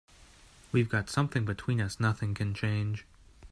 We've got something between us nothing can change.